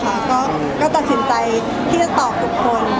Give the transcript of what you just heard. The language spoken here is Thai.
ใช่ค่ะก็ตัดสินใจที่จะตอบทุกคน